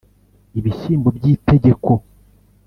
ibishyimbo by’itegeko